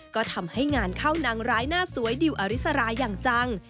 ก็ทำให้งานเข้านางร้ายหน้าสวยดิวอริสราอย่างจัง